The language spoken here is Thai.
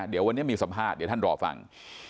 เดี๋ยววันนี้มีสัมภาษณ์เดี๋ยวท่านรอฟัง